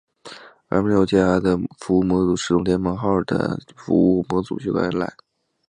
而没有加压的服务模组是从联盟号的服务模组修改而来。